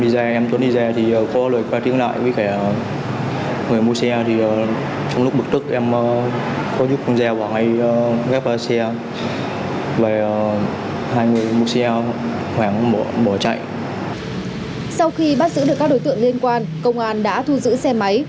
sau khi bắt giữ được các đối tượng liên quan công an đã thu giữ xe máy